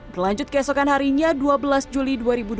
berlanjut keesokan harinya dua belas juli dua ribu dua puluh